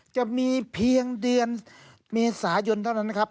จะมีเพียงเดือนเมษายนเท่านั้นนะครับ